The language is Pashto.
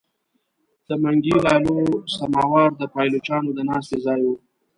د منګي لالو سماوار د پایلوچانو د ناستې ځای وو.